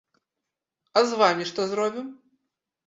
А з вамі што зробім?